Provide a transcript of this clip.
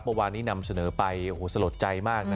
เมื่อวานนี้นำเสนอไปโอ้โหสลดใจมากนะ